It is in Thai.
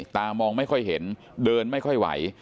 ตามองไม่ค่อยเห็นเดินไม่ค่อยไหว